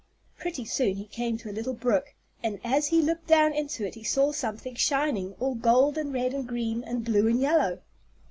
Pretty soon he came to a little brook, and as he looked down into it he saw something shining, all gold and red and green and blue and yellow.